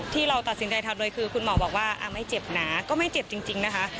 ที่เราตัดสินใจทำโดยคือคุณหมอบอกว่าไม่เจ็บหนาก็ไม่เจ็บจริงนะคะ